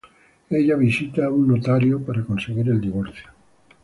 Ella visita a un notario para conseguir el divorcio.